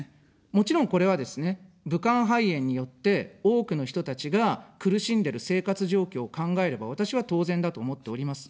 もちろん、これはですね、武漢肺炎によって多くの人たちが苦しんでる生活状況を考えれば、私は当然だと思っております。